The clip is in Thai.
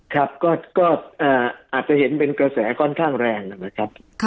ครับก็อาจจะเห็นเป็นกระแสค่อนข้างแรงนะครับ